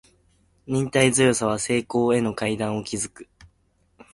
忍耐強さは成功への階段を築く